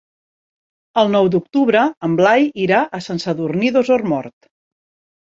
El nou d'octubre en Blai irà a Sant Sadurní d'Osormort.